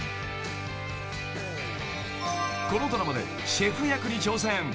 ［このドラマでシェフ役に挑戦］